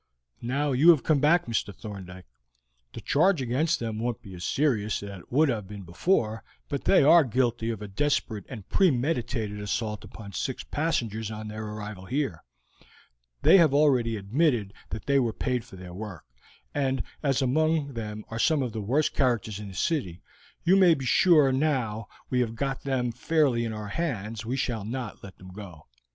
Now you have come back, Mr. Thorndyke, the charge against them won't be as serious as it would have been before, but they are guilty of a desperate and premeditated assault upon six passengers on their arrival here; they have already admitted that they were paid for their work; and as among them are some of the worst characters in the city, you may be sure that now we have got them fairly in our hands we shall not let them go.